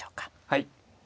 はい。